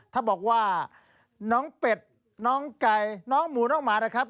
ถ้าบอกว่าน้องเป็ดน้องไก่น้องหมูน้องหมานะครับ